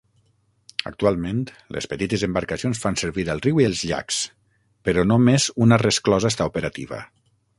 Actualment, les petites embarcacions fan servir el riu i els llacs, però només una resclosa està operativa.